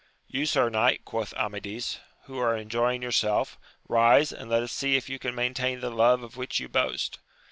You sir knight, quoth Amadis, who are enjoying yourself, rise, and let us see if you can maintain the love of which you boast.